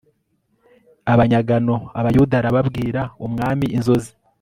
abanyagano Abayuda arabwira umwami inzozi